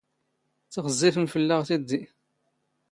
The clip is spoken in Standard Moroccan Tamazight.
ⵜⵖⵣⵣⵉⴼⵎ ⴼⵍⵍⴰ ⵖ ⵜⵉⴷⴷⵉ.